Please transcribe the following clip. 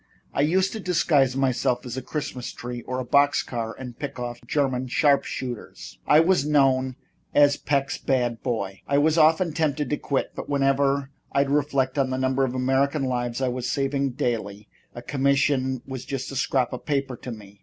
I used to disguise myself as a Christmas tree or a box car and pick off German sharp shooters. I was known as Peck's Bad Boy. I was often tempted to quit, but whenever I'd reflect on the number of American lives I was saving daily, a commission was just a scrap of paper to me."